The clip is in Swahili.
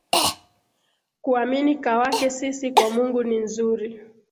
Kuamini kawake sisi kwa mungu ni nzuri